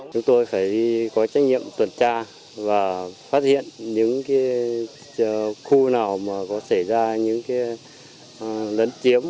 chúng tôi phải có trách nhiệm tuần tra và phát hiện những khu nào có xảy ra những lấn chiếm